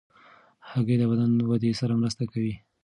هګۍ د بدن ودې سره مرسته کوي.